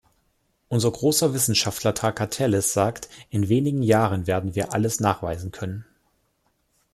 Unser großer Wissenschaftler Trakatellis sagt, in wenigen Jahren werden wir alles nachweisen können.